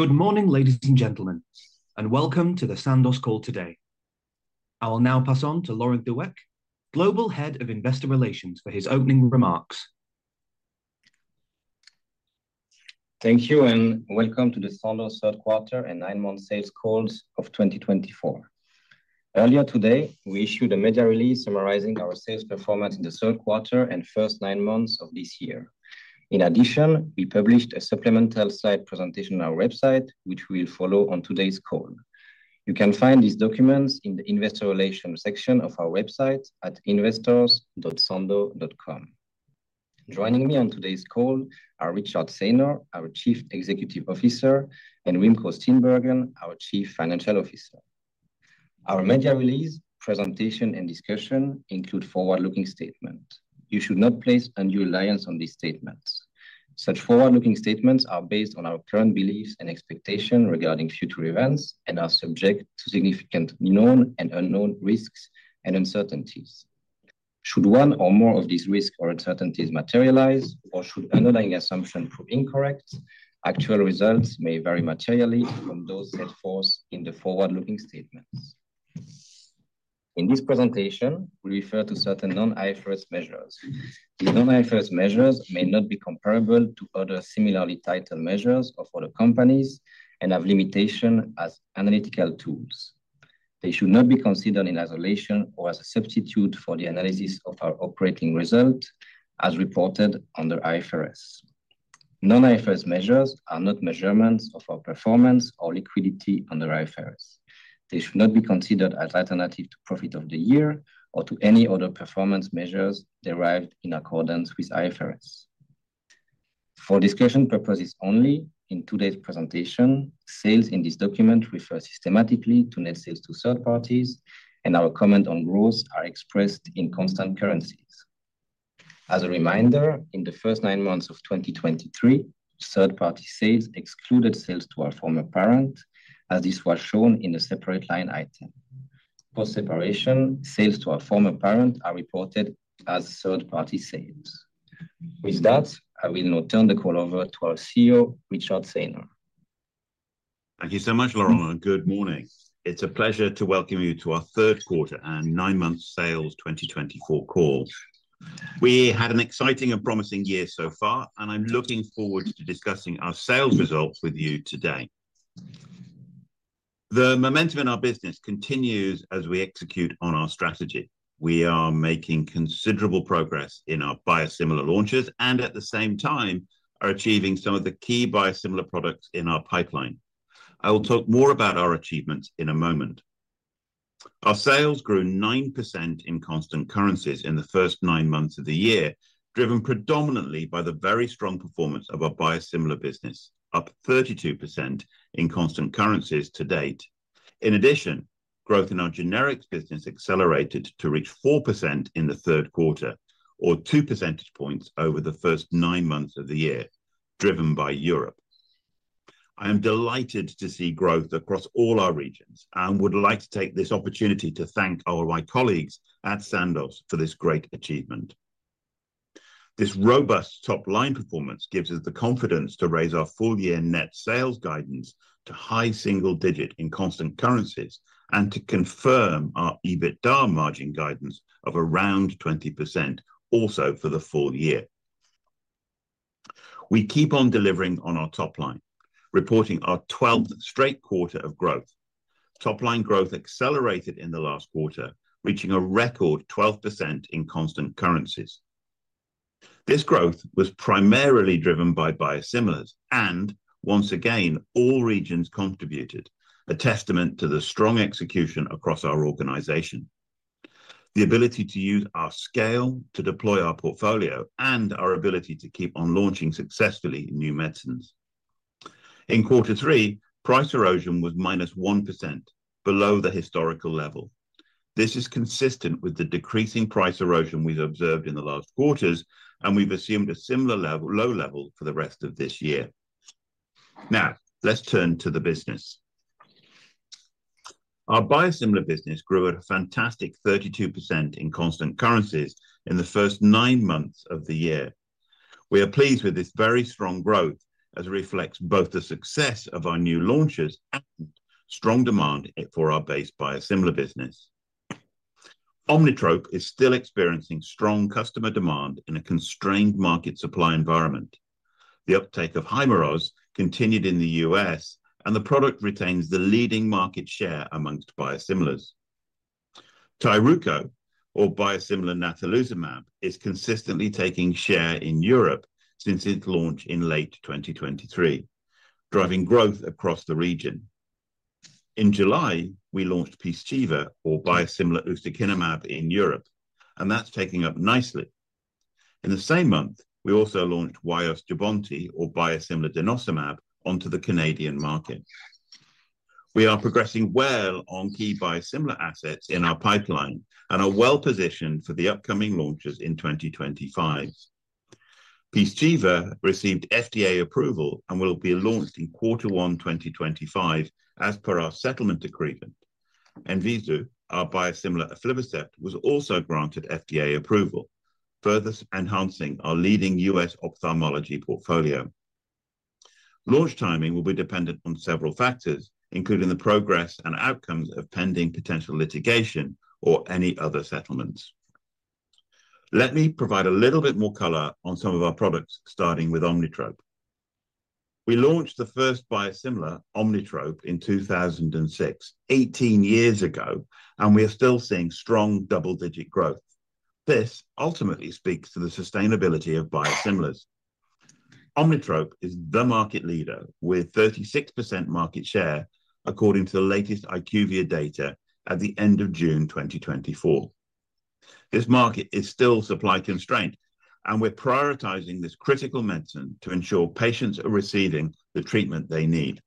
Good morning, ladies and gentlemen, and welcome to the Sandoz Call today. I will now pass on to Laurent de Weck, Global Head of Investor Relations, for his opening remarks. Thank you, and welcome to the Sandoz Third Quarter and Nine Months Sales Call of 2024. Earlier today, we issued a media release summarizing our sales performance in the third quarter and first nine months of this year. In addition, we published a supplemental slide presentation on our website, which we will follow on today's call. You can find these documents in the Investor Relations section of our website at investors.sandoz.com. Joining me on today's call are Richard Saynor, our Chief Executive Officer, and Remco Steenbergen, our Chief Financial Officer. Our media release, presentation, and discussion include forward-looking statements. You should not place undue reliance on these statements. Such forward-looking statements are based on our current beliefs and expectations regarding future events and are subject to significant known and unknown risks and uncertainties. Should one or more of these risks or uncertainties materialize, or should underlying assumptions prove incorrect, actual results may vary materially from those set forth in the forward-looking statements. In this presentation, we refer to certain non-IFRS measures. These non-IFRS measures may not be comparable to other similarly titled measures of other companies and have limitations as analytical tools. They should not be considered in isolation or as a substitute for the analysis of our operating result, as reported under IFRS. Non-IFRS measures are not measurements of our performance or liquidity under IFRS. They should not be considered as alternatives to Profit of the Year or to any other performance measures derived in accordance with IFRS. For discussion purposes only, in today's presentation, sales in this document refer systematically to net sales to third parties, and our comments on growth are expressed in constant currencies. As a reminder, in the first nine months of 2023, third-party sales excluded sales to our former parent, as this was shown in a separate line item. Post-separation, sales to our former parent are reported as third-party sales. With that, I will now turn the call over to our CEO, Richard Saynor. Thank you so much, Laurent. Good morning. It's a pleasure to welcome you to our third quarter and nine-month sales 2024 call. We had an exciting and promising year so far, and I'm looking forward to discussing our sales results with you today. The momentum in our business continues as we execute on our strategy. We are making considerable progress in our biosimilar launches, and at the same time, are achieving some of the key biosimilar products in our pipeline. I will talk more about our achievements in a moment. Our sales grew 9% in constant currencies in the first nine months of the year, driven predominantly by the very strong performance of our biosimilar business, up 32% in constant currencies to date. In addition, growth in our generics business accelerated to reach 4% in the third quarter, or 2 percentage points over the first nine months of the year, driven by Europe. I am delighted to see growth across all our regions and would like to take this opportunity to thank all my colleagues at Sandoz for this great achievement. This robust top-line performance gives us the confidence to raise our full-year net sales guidance to high single-digit in constant currencies and to confirm our EBITDA margin guidance of around 20%, also for the full year. We keep on delivering on our top line, reporting our 12th straight quarter of growth. Top-line growth accelerated in the last quarter, reaching a record 12% in constant currencies. This growth was primarily driven by biosimilars, and once again, all regions contributed, a testament to the strong execution across our organization. The ability to use our scale to deploy our portfolio and our ability to keep on launching successfully new medicines. In quarter three, price erosion was minus 1%, below the historical level. This is consistent with the decreasing price erosion we've observed in the last quarters, and we've assumed a similar low level for the rest of this year. Now, let's turn to the business. Our biosimilar business grew at a fantastic 32% in constant currencies in the first nine months of the year. We are pleased with this very strong growth as it reflects both the success of our new launches and strong demand for our base biosimilar business. Omnitrope is still experiencing strong customer demand in a constrained market supply environment. The uptake of Hyrimoz continued in the U.S., and the product retains the leading market share among biosimilars. TYRUKO, or biosimilar natalizumab, is consistently taking share in Europe since its launch in late 2023, driving growth across the region. In July, we launched Pyzchiva, or biosimilar Ustekinumab, in Europe, and that's taking up nicely. In the same month, we also launched Jubbonti, or biosimilar denosumab, onto the Canadian market. We are progressing well on key biosimilar assets in our pipeline and are well positioned for the upcoming launches in 2025. Pyzchiva received FDA approval and will be launched in quarter one 2025 as per our settlement agreement. Enzeevu, our biosimilar Aflibercept, was also granted FDA approval, further enhancing our leading U.S. ophthalmology portfolio. Launch timing will be dependent on several factors, including the progress and outcomes of pending potential litigation or any other settlements. Let me provide a little bit more color on some of our products, starting with Omnitrope. We launched the first biosimilar, Omnitrope, in 2006, 18 years ago, and we are still seeing strong double-digit growth. This ultimately speaks to the sustainability of biosimilars. Omnitrope is the market leader, with 36% market share, according to the latest IQVIA data at the end of June 2024. This market is still supply-constrained, and we're prioritizing this critical medicine to ensure patients are receiving the treatment they need.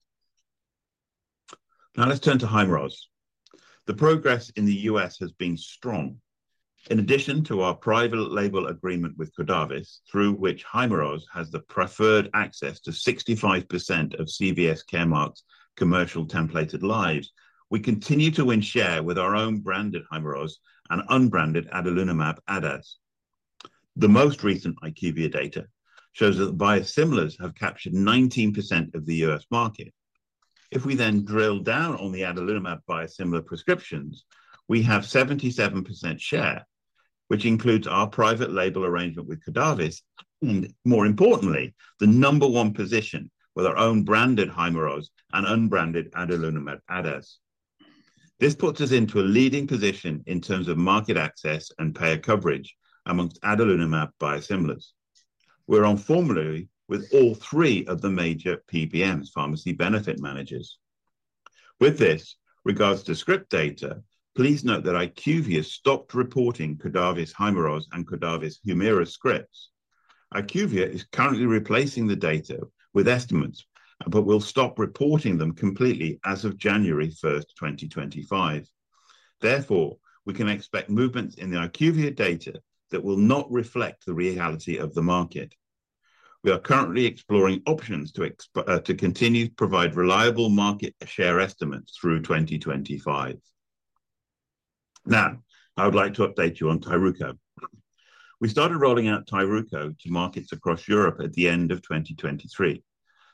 Now, let's turn to Hyrimoz. The progress in the U.S. has been strong. In addition to our private label agreement with Cordavis, through which Hyrimoz has the preferred access to 65% of CVS Caremark's commercial templated lives, we continue to win share with our own branded Hyrimoz and unbranded adalimumab add-ons. The most recent IQVIA data shows that biosimilars have captured 19% of the U.S. market. If we then drill down on the adalimumab biosimilar prescriptions, we have 77% share, which includes our private label arrangement with Cordavis and, more importantly, the number one position with our own branded Hyrimoz and unbranded adalimumab add-ons. This puts us into a leading position in terms of market access and payer coverage amongst adalimumab biosimilars. We're on formulary with all three of the major PBMs, Pharmacy Benefit Managers. With regards to script data, please note that IQVIA stopped reporting Cordavis Hyrimoz and Cordavis Humira scripts. IQVIA is currently replacing the data with estimates but will stop reporting them completely as of January 1, 2025. Therefore, we can expect movements in the IQVIA data that will not reflect the reality of the market. We are currently exploring options to continue to provide reliable market share estimates through 2025. Now, I would like to update you on TYRUKO. We started rolling out TYRUKO to markets across Europe at the end of 2023.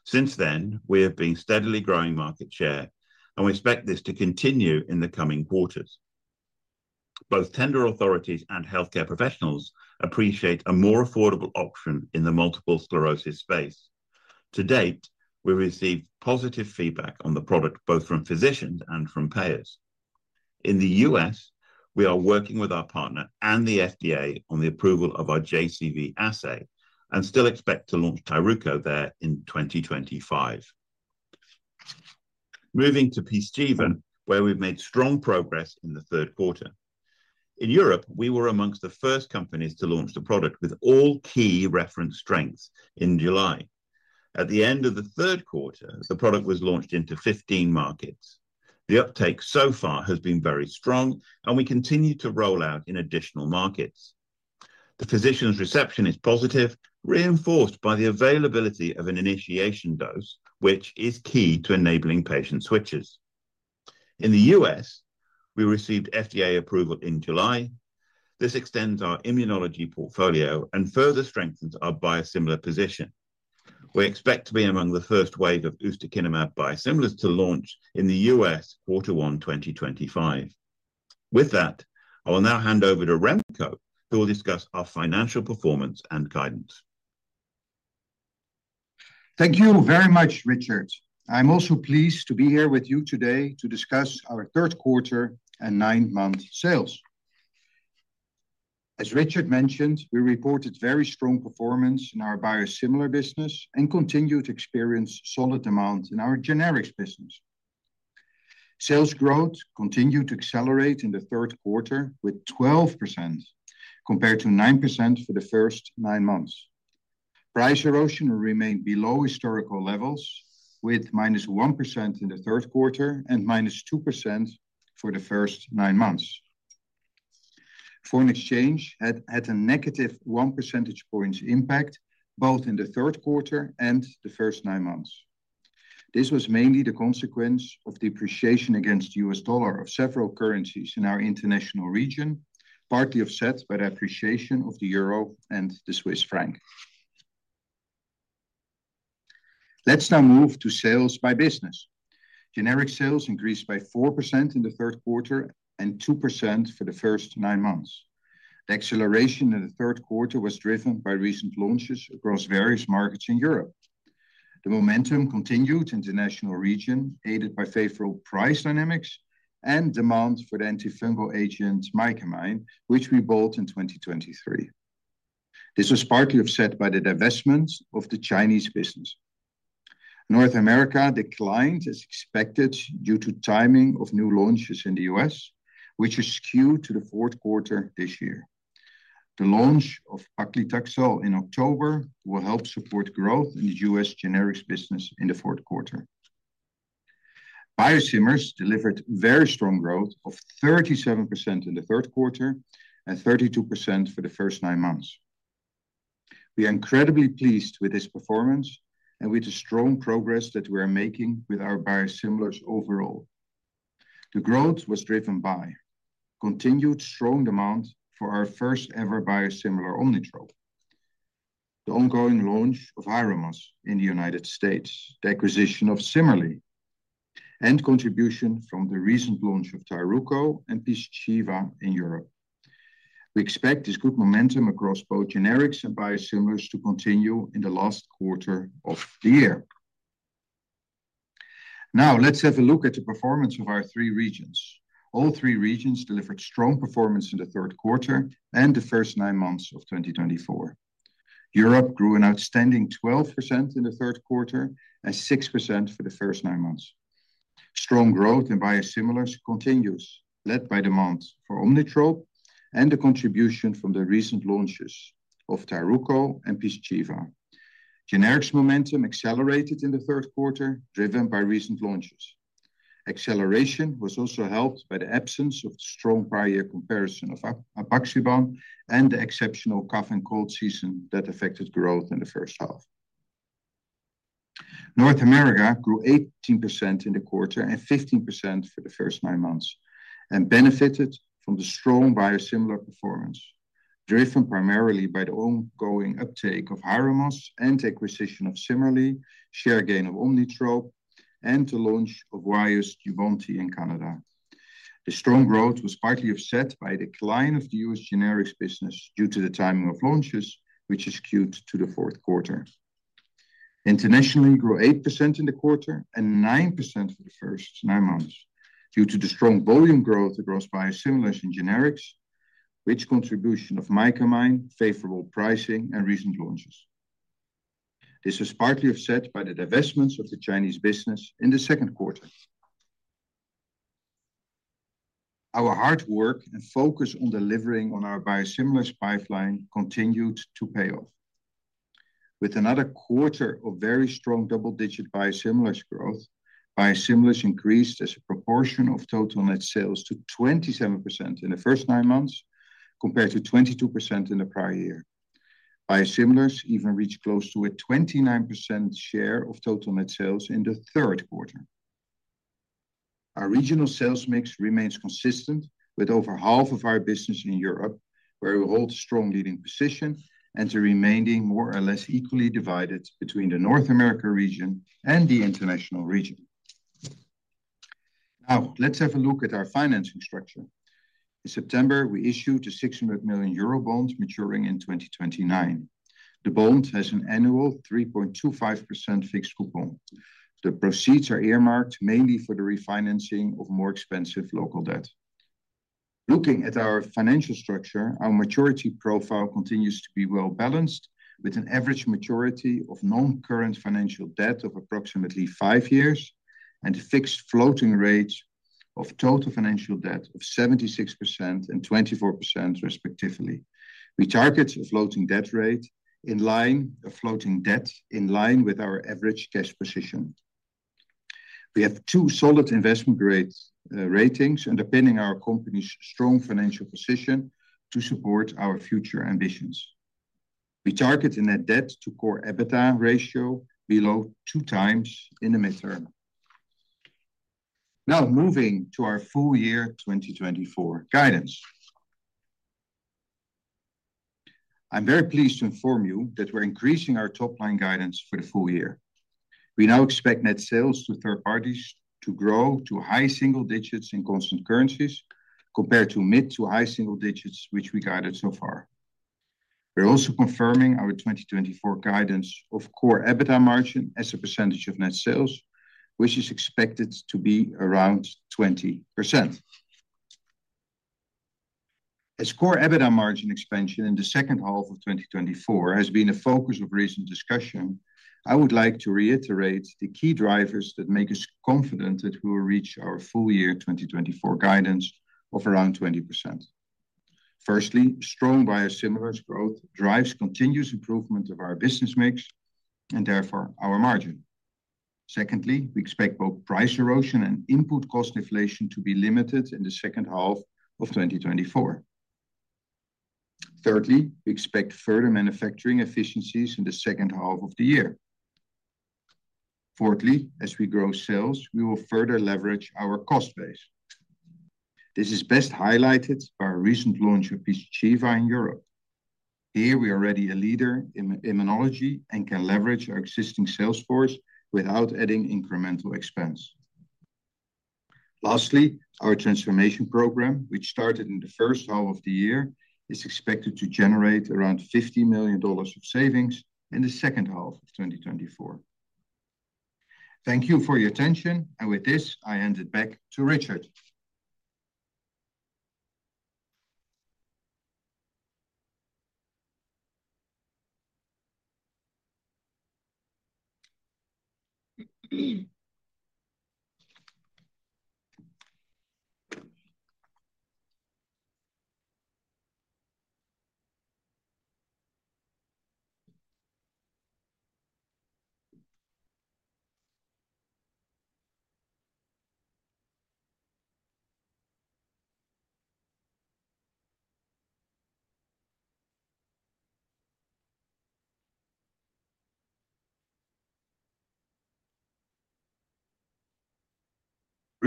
Since then, we have been steadily growing market share, and we expect this to continue in the coming quarters. Both tender authorities and healthcare professionals appreciate a more affordable option in the multiple sclerosis space. To date, we've received positive feedback on the product, both from physicians and from payers. In the U.S., we are working with our partner and the FDA on the approval of our JCV assay and still expect to launch TYRUKO there in 2025. Moving to Pyzchiva, where we've made strong progress in the third quarter. In Europe, we were amongst the first companies to launch the product with all key reference strengths in July. At the end of the third quarter, the product was launched into 15 markets. The uptake so far has been very strong, and we continue to roll out in additional markets. The physician's reception is positive, reinforced by the availability of an initiation dose, which is key to enabling patient switches. In the U.S., we received FDA approval in July. This extends our immunology portfolio and further strengthens our biosimilar position. We expect to be among the first wave of Ustekinumab biosimilars to launch in the U.S. quarter one 2025. With that, I will now hand over to Remco, who will discuss our financial performance and guidance. Thank you very much, Richard. I'm also pleased to be here with you today to discuss our third quarter and nine-month sales. As Richard mentioned, we reported very strong performance in our biosimilar business and continued to experience solid demand in our generics business. Sales growth continued to accelerate in the third quarter with 12%, compared to 9% for the first nine months. Price erosion remained below historical levels, with -1% in the third quarter and -2% for the first nine months. Foreign exchange had a negative one percentage point impact both in the third quarter and the first nine months. This was mainly the consequence of depreciation against the U.S. dollar of several currencies in our international region, partly offset by the appreciation of the euro and the Swiss franc. Let's now move to sales by business. Generic sales increased by 4% in the third quarter and 2% for the first nine months. The acceleration in the third quarter was driven by recent launches across various markets in Europe. The momentum continued in the international region, aided by favorable price dynamics and demand for the antifungal agent Mycamine, which we bought in 2023. This was partly offset by the divestment of the Chinese business. North America declined, as expected, due to timing of new launches in the U.S., which is skewed to the fourth quarter this year. The launch of Abraxane in October will help support growth in the U.S. generics business in the fourth quarter. Biosimilars delivered very strong growth of 37% in the third quarter and 32% for the first nine months. We are incredibly pleased with this performance and with the strong progress that we are making with our biosimilars overall. The growth was driven by continued strong demand for our first-ever biosimilar Omnitrope, the ongoing launch of Hyrimoz in the United States, the acquisition of Cimerli, and contribution from the recent launch of TYRUKO and Pyzchiva in Europe. We expect this good momentum across both generics and biosimilars to continue in the last quarter of the year. Now, let's have a look at the performance of our three regions. All three regions delivered strong performance in the third quarter and the first nine months of 2024. Europe grew an outstanding 12% in the third quarter and 6% for the first nine months. Strong growth in biosimilars continues, led by demand for Omnitrope and the contribution from the recent launches of TYRUKO and Pyzchiva. Generics momentum accelerated in the third quarter, driven by recent launches. Acceleration was also helped by the absence of strong prior year comparison of apixaban and the exceptional cough and cold season that affected growth in the first half. North America grew 18% in the quarter and 15% for the first nine months and benefited from the strong biosimilar performance, driven primarily by the ongoing uptake of Hyrimoz and acquisition of Cimerli, share gain of Omnitrope, and the launch of Jubbonti in Canada. The strong growth was partly offset by the decline of the U.S. generics business due to the timing of launches, which is skewed to the fourth quarter. Internationally, we grew 8% in the quarter and 9% for the first nine months due to the strong volume growth across biosimilars and generics, which contribution of Mycamine, favorable pricing, and recent launches. This was partly offset by the divestments of the Chinese business in the second quarter. Our hard work and focus on delivering on our biosimilars pipeline continued to pay off. With another quarter of very strong double-digit biosimilars growth, biosimilars increased as a proportion of total net sales to 27% in the first nine months, compared to 22% in the prior year. Biosimilars even reached close to a 29% share of total net sales in the third quarter. Our regional sales mix remains consistent, with over half of our business in Europe, where we hold a strong leading position and the remaining more or less equally divided between the North America region and the international region. Now, let's have a look at our financing structure. In September, we issued a 600 million euro bond maturing in 2029. The bond has an annual 3.25% fixed coupon. The proceeds are earmarked mainly for the refinancing of more expensive local debt. Looking at our financial structure, our maturity profile continues to be well balanced, with an average maturity of non-current financial debt of approximately five years and a fixed floating rate of total financial debt of 76% and 24%, respectively. We target a floating debt rate in line with our average cash position. We have two solid investment ratings underpinning our company's strong financial position to support our future ambitions. We target a net debt-to-core EBITDA ratio below two times in the midterm. Now, moving to our full year 2024 guidance. I'm very pleased to inform you that we're increasing our top-line guidance for the full year. We now expect net sales to third parties to grow to high single digits in constant currencies compared to mid to high single digits, which we guided so far. We're also confirming our 2024 guidance of Core EBITDA margin as a percentage of net sales, which is expected to be around 20%. As Core EBITDA margin expansion in the second half of 2024 has been a focus of recent discussion, I would like to reiterate the key drivers that make us confident that we will reach our full year 2024 guidance of around 20%. Firstly, strong biosimilars growth drives continuous improvement of our business mix and therefore our margin. Secondly, we expect both price erosion and input cost inflation to be limited in the second half of 2024. Thirdly, we expect further manufacturing efficiencies in the second half of the year. Fourthly, as we grow sales, we will further leverage our cost base. This is best highlighted by our recent launch of Pyzchiva in Europe. Here, we are already a leader in immunology and can leverage our existing sales force without adding incremental expense. Lastly, our transformation program, which started in the first half of the year, is expected to generate around $50 million of savings in the second half of 2024. Thank you for your attention, and with this, I hand it back to Richard.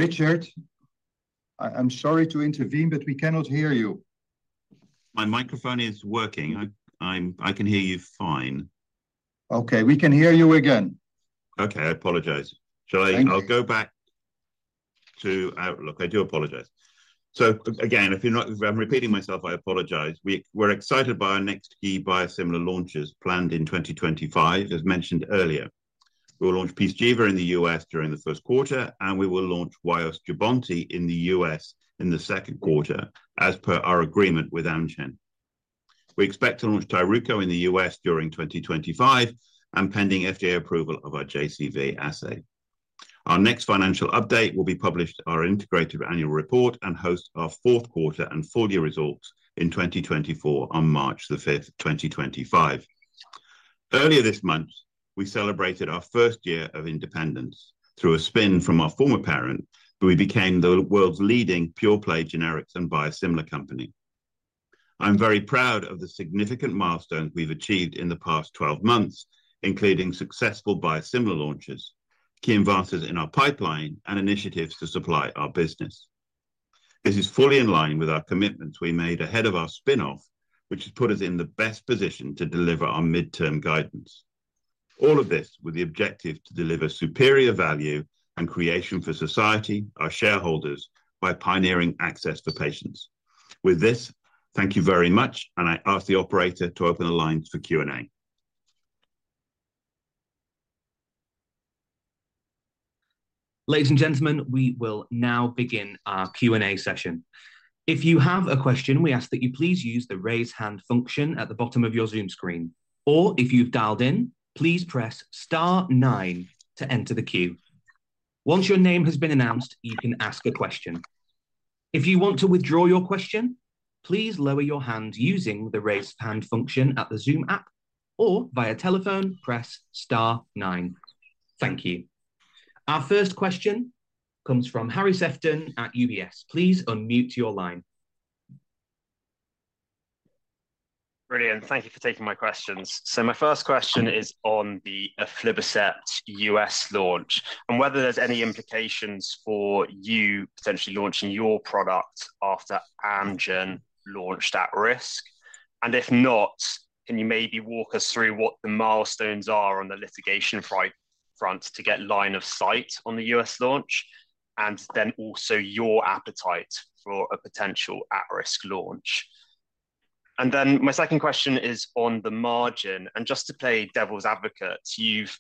Richard, I'm sorry to intervene, but we cannot hear you. My microphone is working. I can hear you fine. Okay, we can hear you again. Okay, I apologize. I'll go back to Outlook. I do apologize. So again, if I'm repeating myself, I apologize. We're excited by our next key biosimilar launches planned in 2025, as mentioned earlier. We will launch Pyzchiva in the U.S. during the first quarter, and we will launch Jubbonti in the U.S. in the second quarter, as per our agreement with Amgen. We expect to launch TYRUKO in the US during 2025 and pending FDA approval of our JCV assay. Our next financial update will be published in our integrated annual report and host our fourth quarter and full year results in 2024 on March 5, 2025. Earlier this month, we celebrated our first year of independence through a spin from our former parent, but we became the world's leading pure-play generics and biosimilar company. I'm very proud of the significant milestones we've achieved in the past 12 months, including successful biosimilar launches, key advances in our pipeline, and initiatives to supply our business. This is fully in line with our commitments we made ahead of our spinoff, which has put us in the best position to deliver our midterm guidance. All of this with the objective to deliver superior value and creation for society, our shareholders, by pioneering access for patients. With this, thank you very much, and I ask the operator to open the lines for Q&A. Ladies and gentlemen, we will now begin our Q&A session. If you have a question, we ask that you please use the raise hand function at the bottom of your Zoom screen. Or if you've dialed in, please press star nine to enter the queue. Once your name has been announced, you can ask a question. If you want to withdraw your question, please lower your hand using the raise hand function at the Zoom app, or via telephone, press star nine. Thank you. Our first question comes from Harry Sefton at UBS. Please unmute your line. Brilliant. Thank you for taking my questions. So my first question is on the Aflibercept U.S. launch and whether there's any implications for you potentially launching your product after Amgen launched at risk. And if not, can you maybe walk us through what the milestones are on the litigation front to get line of sight on the U.S. launch and then also your appetite for a potential At risk launch? And then my second question is on the margin. And just to play devil's advocate, you've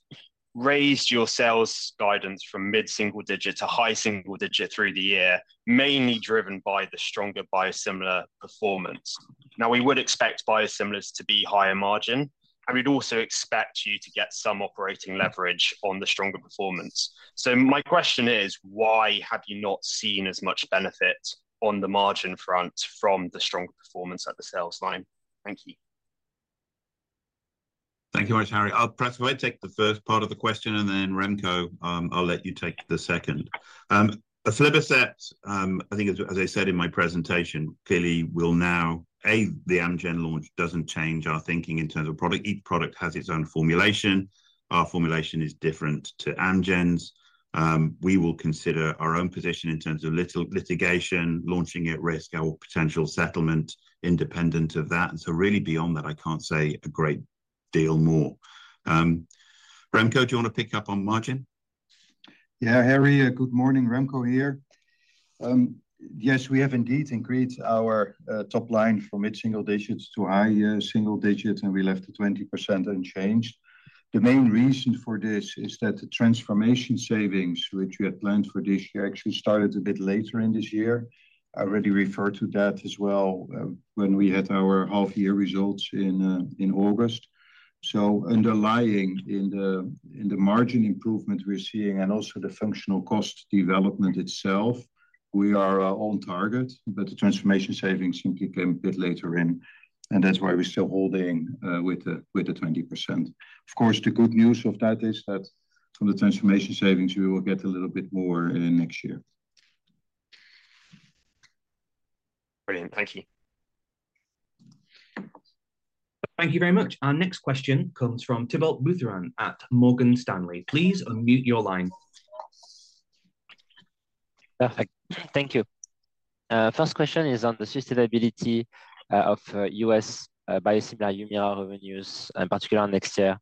raised your sales guidance from mid single digit to high single digit through the year, mainly driven by the stronger biosimilar performance. Now, we would expect biosimilars to be higher margin, and we'd also expect you to get some operating leverage on the stronger performance. So my question is, why have you not seen as much benefit on the margin front from the strong performance at the sales line? Thank you. Thank you very much, Harry. I'll perhaps take the first part of the question, and then Remco, I'll let you take the second. Aflibercept, I think, as I said in my presentation, clearly will now, A, the Amgen launch doesn't change our thinking in terms of product. Each product has its own formulation. Our formulation is different to Amgen's. We will consider our own position in terms of litigation, launching at risk, our potential settlement independent of that. And so really beyond that, I can't say a great deal more. Remco, do you want to pick up on margin? Yeah, Harry, good morning. Remco here. Yes, we have indeed increased our top line from mid single digit to high single digit, and we left the 20% unchanged. The main reason for this is that the transformation savings, which we had planned for this year, actually started a bit later in this year. I already referred to that as well when we had our half-year results in August. So underlying in the margin improvement we're seeing and also the functional cost development itself, we are on target, but the transformation savings simply came a bit later in, and that's why we're still holding with the 20%. Of course, the good news of that is that from the transformation savings, we will get a little bit more next year. Brilliant. Thank you. Thank you very much. Our next question comes from Thibault Boutherin at Morgan Stanley. Please unmute your line. Thank you. First question is on the sustainability of U.S. biosimilar Humira revenues, in particular next year.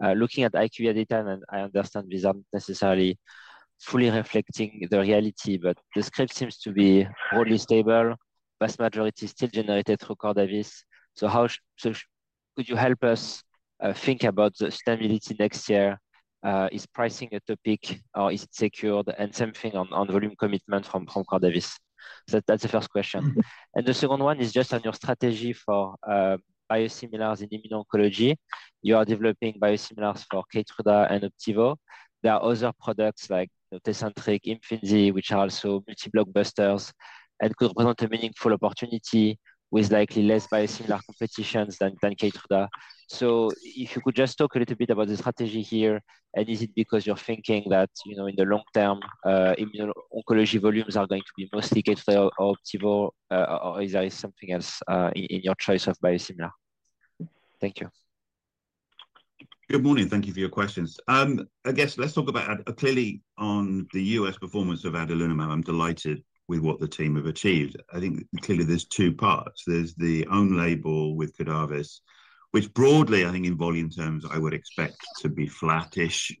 Looking at IQVIA data, and I understand these aren't necessarily fully reflecting the reality, but the scripts seem to be broadly stable. Vast majority still generated through core device. So how could you help us think about the sustainability next year? Is pricing a topic, or is it secured? And same thing on volume commitment from core device. So that's the first question. And the second one is just on your strategy for biosimilars in immuno-oncology. You are developing biosimilars for Keytruda and Opdivo. There are other products like Tecentriq, Imfinzi, which are also multi-blockbusters and could present a meaningful opportunity with likely less biosimilar competition than Keytruda. So if you could just talk a little bit about the strategy here, and is it because you're thinking that in the long term, immuno-oncology volumes are going to be mostly Keytruda or Opdivo, or is there something else in your choice of biosimilar? Thank you. Good morning. Thank you for your questions. I guess let's talk about clearly on the U.S. performance of adalimumab. I'm delighted with what the team have achieved. I think clearly there's two parts. There's the own label with Cordavis, which broadly, I think in volume terms, I would expect to be flattish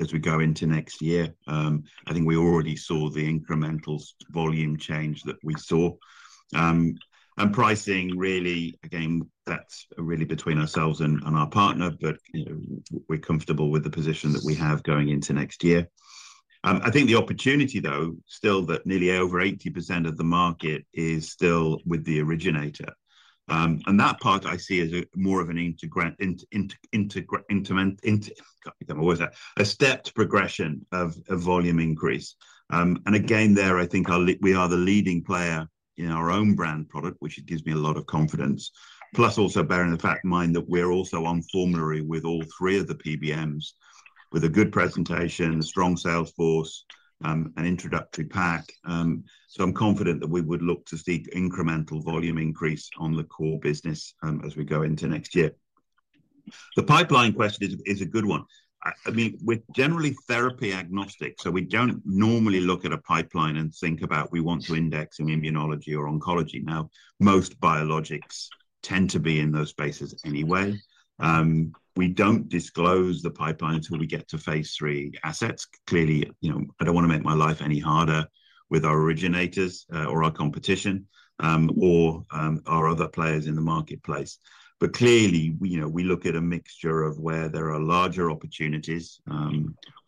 as we go into next year. I think we already saw the incremental volume change that we saw. And pricing, really, again, that's really between ourselves and our partner, but we're comfortable with the position that we have going into next year. I think the opportunity, though, still that nearly over 80% of the market is still with the originator. And that part I see as more of a stepped progression of volume increase. And again, there, I think we are the leading player in our own brand product, which gives me a lot of confidence, plus also bearing the fact in mind that we're also on formulary with all three of the PBMs, with a good presentation, a strong sales force, an introductory pack. So I'm confident that we would look to seek incremental volume increase on the core business as we go into next year. The pipeline question is a good one. I mean, we're generally therapy agnostic, so we don't normally look at a pipeline and think about we want to index in immunology or oncology. Now, most biologics tend to be in those spaces anyway. We don't disclose the pipeline until we get to phase three assets. Clearly, I don't want to make my life any harder with our originators or our competition or our other players in the marketplace. But clearly, we look at a mixture of where there are larger opportunities,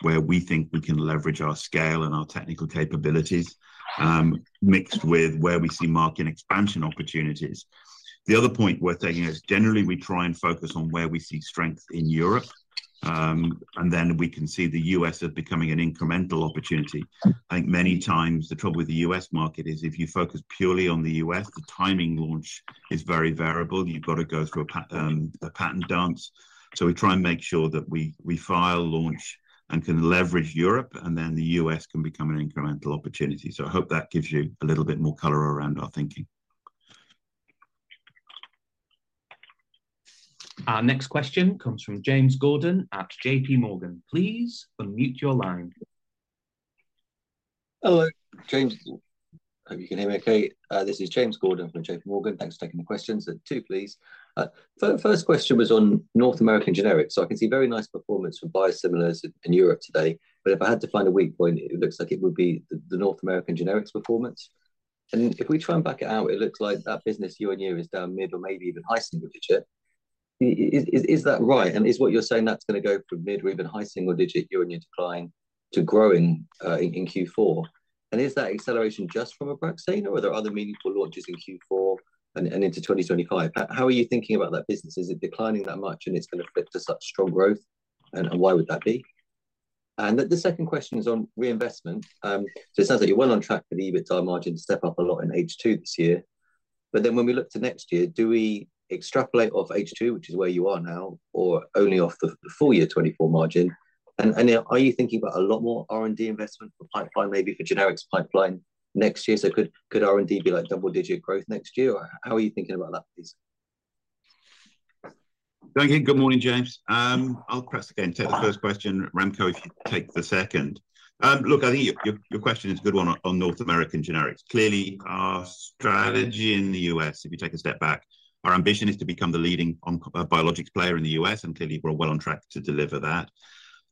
where we think we can leverage our scale and our technical capabilities, mixed with where we see market expansion opportunities. The other point worth taking is generally we try and focus on where we see strength in Europe, and then we can see the U.S. as becoming an incremental opportunity. I think many times the trouble with the U.S. market is if you focus purely on the U.S., the timing launch is very variable. You've got to go through a patent dance. So we try and make sure that we file launch and can leverage Europe, and then the U.S. can become an incremental opportunity. So I hope that gives you a little bit more color around our thinking. Our next question comes from James Gordon at J.P. Morgan. Please unmute your line. Hello, James. Hope you can hear me okay. This is James Gordon from J.P. Morgan. Thanks for taking the questions. Two, please. First question was on North American generics. So I can see very nice performance for biosimilars in Europe today, but if I had to find a weak point, it looks like it would be the North American generics performance. And if we try and back it out, it looks like that business year on year is down mid or maybe even high single digit. Is that right? And is what you're saying that's going to go from mid or even high single digit year on year decline to growing in Q4? And is that acceleration just from Abraxane or are there other meaningful launches in Q4 and into 2025? How are you thinking about that business? Is it declining that much and it's going to flip to such strong growth? And why would that be? And the second question is on reinvestment. So it sounds like you're well on track for the EBITDA margin to step up a lot in H2 this year. But then when we look to next year, do we extrapolate off H2, which is where you are now, or only off the full year 2024 margin? And are you thinking about a lot more R&D investment for pipeline, maybe for generics pipeline next year? So could R&D be like double digit growth next year? How are you thinking about that, please? Thank you. Good morning, James. I'll press again to take the first question. Remco, if you take the second. Look, I think your question is a good one on North American generics. Clearly, our strategy in the U.S., if you take a step back, our ambition is to become the leading biologics player in the U.S., and clearly we're well on track to deliver that.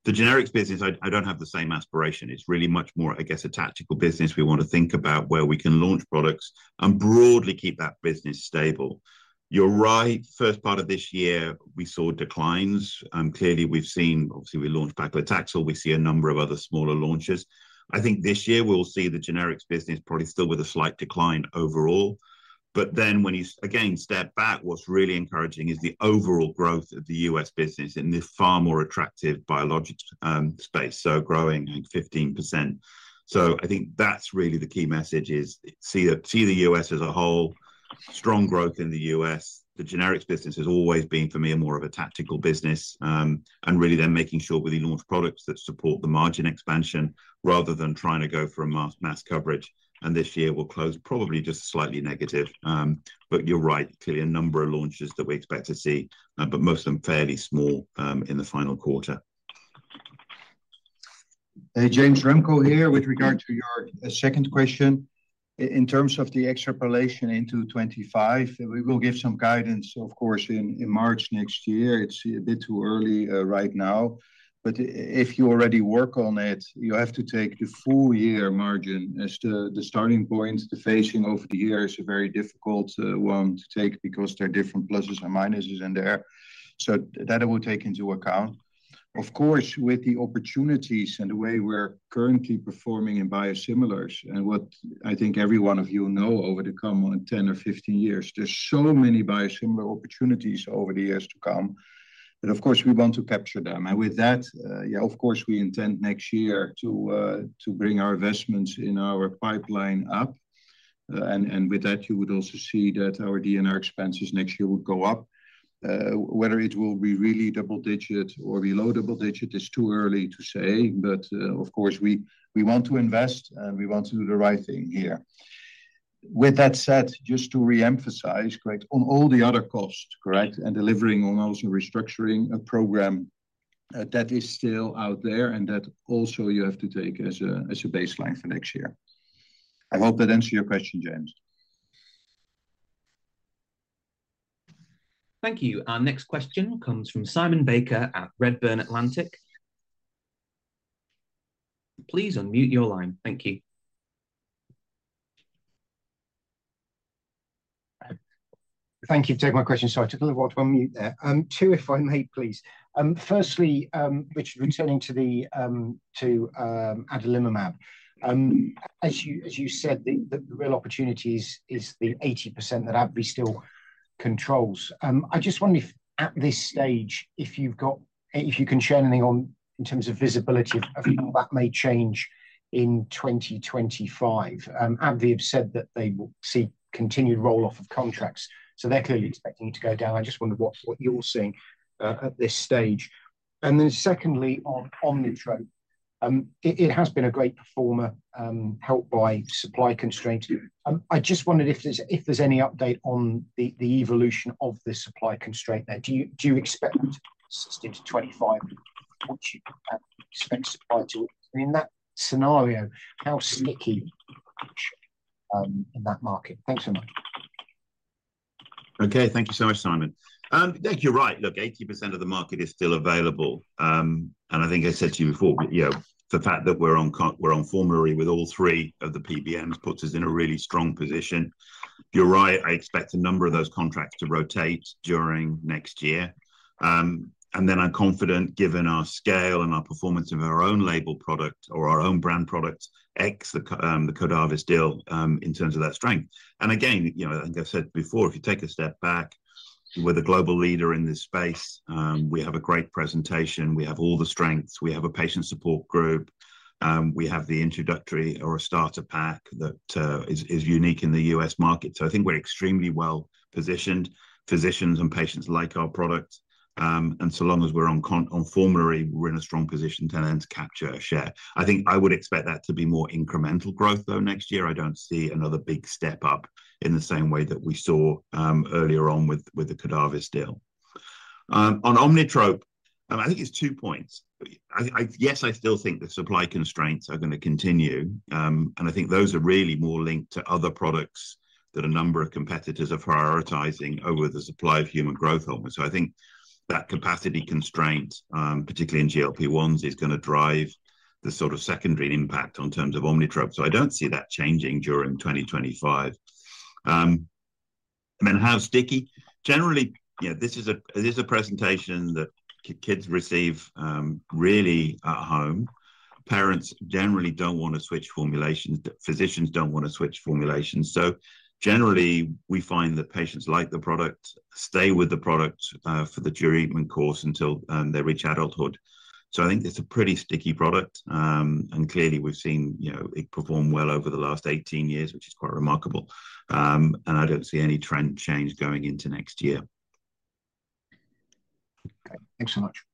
The generics business, I don't have the same aspiration. It's really much more, I guess, a tactical business. We want to think about where we can launch products and broadly keep that business stable. You're right. First part of this year, we saw declines. Clearly, we've seen, obviously, we launched back with Taxol. We see a number of other smaller launches. I think this year we'll see the generics business probably still with a slight decline overall. But then when you again step back, what's really encouraging is the overall growth of the U.S. business in this far more attractive biologics space, so growing 15%. So I think that's really the key message is see the U.S. as a whole, strong growth in the U.S. The generics business has always been for me a more of a tactical business, and really then making sure we launch products that support the margin expansion rather than trying to go for a mass coverage. And this year will close probably just slightly negative. But you're right, clearly a number of launches that we expect to see, but most of them fairly small in the final quarter. Hey, James. Remco here, with regard to your second question. In terms of the extrapolation into 2025, we will give some guidance, of course, in March next year. It's a bit too early right now. But if you already work on it, you have to take the full year margin as the starting point. The phasing over the year is a very difficult one to take because there are different pluses and minuses in there. So that will take into account. Of course, with the opportunities and the way we're currently performing in biosimilars and what I think every one of you know over the coming 10 or 15 years, there's so many biosimilar opportunities over the years to come. And of course, we want to capture them. And with that, yeah, of course, we intend next year to bring our investments in our pipeline up. And with that, you would also see that our R&D expenses next year would go up. Whether it will be really double digit or below double digit is too early to say, but of course, we want to invest and we want to do the right thing here. With that said, just to reemphasize, correct, on all the other costs, correct, and delivering on also restructuring a program that is still out there and that also you have to take as a baseline for next year. I hope that answers your question, James. Thank you. Our next question comes from Simon Baker at Redburn Atlantic. Please unmute your line. Thank you. Thank you. Take my question. Sorry, I took a little while to unmute there. Two, if I may, please. Firstly, Richard, returning to adalimumab. As you said, the real opportunity is the 80% that AbbVie still controls. I just wonder if at this stage, if you can share anything in terms of visibility of how that may change in 2025. AbbVie have said that they will see continued roll-off of contracts, so they're clearly expecting it to go down. I just wonder what you're seeing at this stage. And then secondly, on Hyrimoz, it has been a great performer, helped by supply constraints. I just wondered if there's any update on the evolution of the supply constraint there. Do you expect to see 2025? I mean, in that scenario, how sticky in that market? Thanks so much. Okay, thank you so much, Simon. I think you're right. Look, 80% of the market is still available. And I think I said to you before, the fact that we're on formulary with all three of the PBMs puts us in a really strong position. You're right. I expect a number of those contracts to rotate during next year. And then I'm confident, given our scale and our performance of our own label product or our own brand product, Hyrimoz, the Cordavis deal, in terms of that strength. And again, I think I've said before, if you take a step back, we're the global leader in this space. We have a great presentation. We have all the strengths. We have a patient support group. We have the introductory or a starter pack that is unique in the U.S. market. So I think we're extremely well positioned. Physicians and patients like our product. And so long as we're on formulary, we're in a strong position to then capture a share. I think I would expect that to be more incremental growth, though, next year. I don't see another big step up in the same way that we saw earlier on with the Cordavis deal. On Omnitrope, I think it's two points. Yes, I still think the supply constraints are going to continue. And I think those are really more linked to other products that a number of competitors are prioritizing over the supply of human growth hormones. So I think that capacity constraint, particularly in GLP-1s, is going to drive the sort of secondary impact in terms of Omnitrope. So I don't see that changing during 2025. And then how sticky? Generally, this is a presentation that kids receive really at home. Parents generally don't want to switch formulations. Physicians don't want to switch formulations. So generally, we find that patients like the product, stay with the product for the dual treatment course until they reach adulthood. So I think it's a pretty sticky product. And clearly, we've seen it perform well over the last 18 years, which is quite remarkable. And I don't see any trend change going into next year. Thanks so much.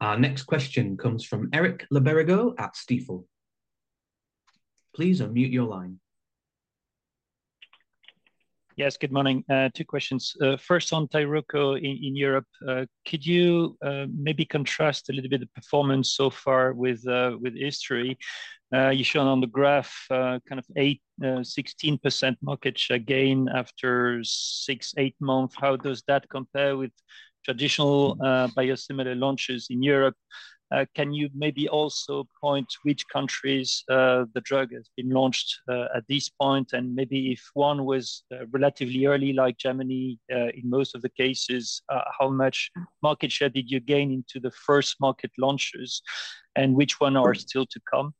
Our next question comes from Eric Le Berrigaud at Stifel. Please unmute your line. Yes, good morning. Two questions. First, on TYRUKO in Europe, could you maybe contrast a little bit of performance so far with history? You showed on the graph kind of 16% market share gain after six, eight months. How does that compare with traditional biosimilar launches in Europe? Can you maybe also point which countries the drug has been launched at this point? And maybe if one was relatively early, like Germany, in most of the cases, how much market share did you gain into the first market launches? And which one are still to come?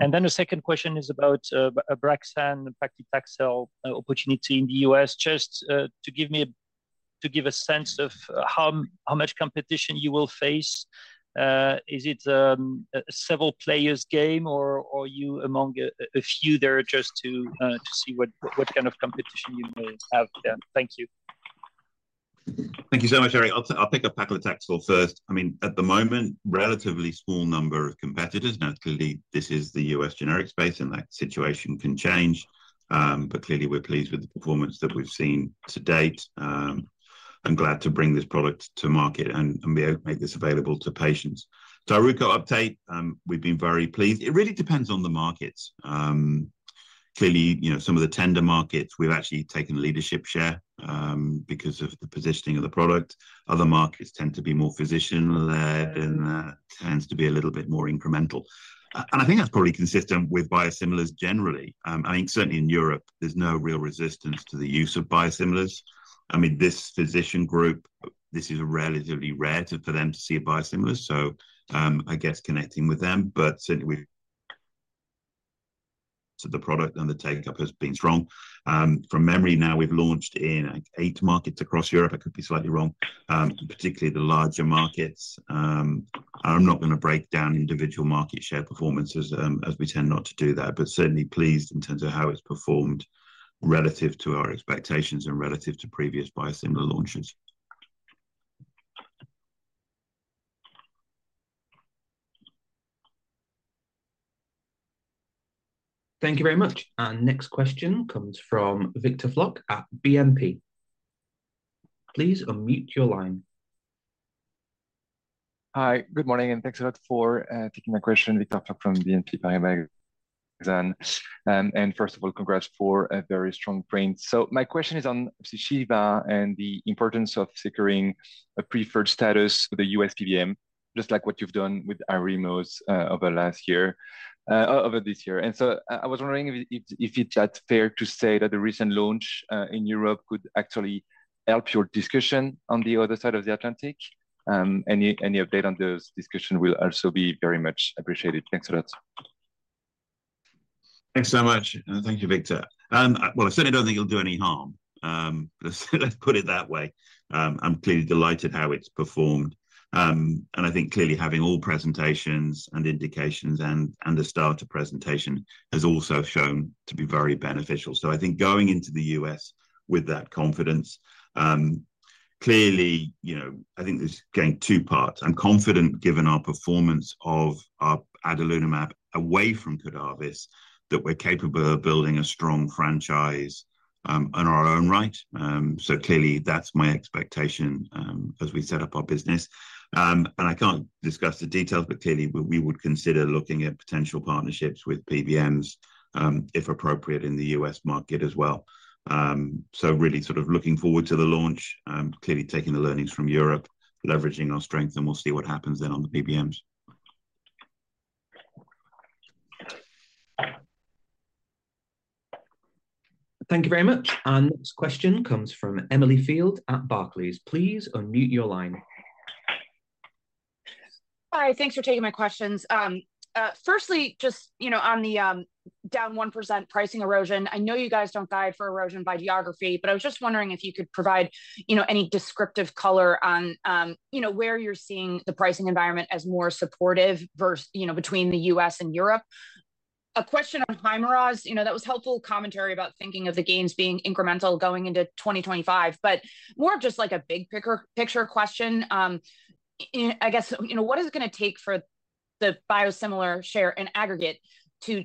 And then the second question is about Abraxane, impacting Taxol opportunity in the U.S. Just to give me a sense of how much competition you will face, is it a several players game or are you among a few there just to see what kind of competition you may have? Thank you. Thank you so much, Eric. I'll pick up paclitaxel first. I mean, at the moment, relatively small number of competitors. Now, clearly, this is the U.S. generic space, and that situation can change, but clearly, we're pleased with the performance that we've seen to date. I'm glad to bring this product to market and make this available to patients. TYRUKO update, we've been very pleased. It really depends on the markets. Clearly, some of the tender markets, we've actually taken leadership share because of the positioning of the product. Other markets tend to be more physician-led, and that tends to be a little bit more incremental, and I think that's probably consistent with biosimilars generally. I mean, certainly in Europe, there's no real resistance to the use of biosimilars. I mean, this physician group, this is relatively rare for them to see a biosimilar. So, I guess connecting with them, but certainly with the product and the take-up has been strong. From memory, now we've launched in eight markets across Europe. I could be slightly wrong, particularly the larger markets. I'm not going to break down individual market share performances as we tend not to do that, but certainly pleased in terms of how it's performed relative to our expectations and relative to previous biosimilar launches. Thank you very much. And next question comes from Victor Floc'h at BNP. Please unmute your line. Hi, good morning, and thanks a lot for taking my question. Victor Floc'h from BNP Paribas. And first of all, congrats for a very strong print. So my question is on Pyzchiva and the importance of securing a preferred status for the US PBM, just like what you've done with Hyrimoz over the last year, over this year. And so I was wondering if it's fair to say that the recent launch in Europe could actually help your discussion on the other side of the Atlantic. Any update on those discussions will also be very much appreciated. Thanks a lot. Thanks so much. Thank you, Victor. I certainly don't think it'll do any harm. Let's put it that way. I'm clearly delighted how it's performed. I think clearly having all presentations and indications and the starter presentation has also shown to be very beneficial. I think going into the U.S. with that confidence. Clearly, I think there's going to be two parts. I'm confident given our performance of our adalimumab away from Cordavis that we're capable of building a strong franchise in our own right. Clearly, that's my expectation as we set up our business. I can't discuss the details, but clearly, we would consider looking at potential partnerships with PBMs if appropriate in the U.S. market as well. So really sort of looking forward to the launch, clearly taking the learnings from Europe, leveraging our strength, and we'll see what happens then on the PBMs. Thank you very much, and next question comes from Emily Field at Barclays. Please unmute your line. Hi, thanks for taking my questions. Firstly, just on the down 1% pricing erosion, I know you guys don't guide for erosion by geography, but I was just wondering if you could provide any descriptive color on where you're seeing the pricing environment as more supportive between the U.S. and Europe? A question on Hyrimoz, that was helpful commentary about thinking of the gains being incremental going into 2025, but more of just like a big picture question. I guess, what is it going to take for the biosimilar share in aggregate to